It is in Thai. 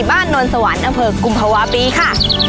บ้านโน้นสวรรค์อำเภอกุมภาวะปีค่ะ